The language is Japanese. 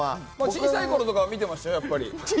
小さいころとか見てましたよ。